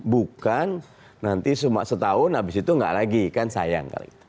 bukan nanti cuma setahun abis itu nggak lagi kan sayang kali